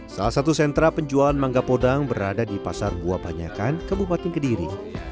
salah satu sentra penjual mangga podang berada di pasar buah banyakan kabupaten kediri